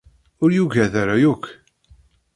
Ur yugad ara yakk.